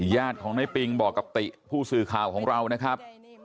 ญาติของในปิงบอกกับติผู้สื่อข่าวของเรานะครับ